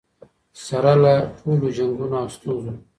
سره له ټولو جنګونو او ستونزو.